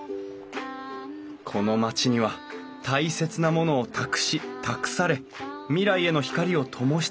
この町には大切なものを託し託され未来への光をともし続ける人たちがいました